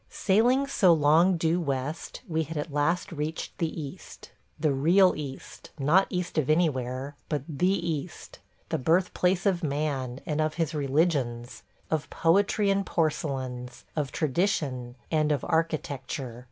... Sailing so long due west, we had at last reached the East. The real East, not east of anywhere, but the East ... the birthplace of Man, and of his Religions ... of Poetry and Porcelains, of Tradition, and of Architecture.